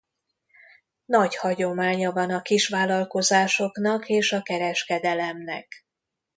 Nagy hagyománya van a kisvállalkozásoknak és a kereskedelemnek.